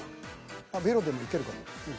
ベロでもいけるかも。